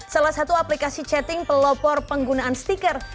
salah satu aplikasi chatting pelopor penggunaan stiker